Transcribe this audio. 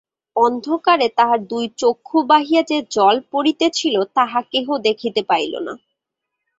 অন্ধকারে তাঁহার দুই চক্ষু বাহিয়া যে জল পড়িতেছিল তাহা কেহ দেখিতে পাইল না।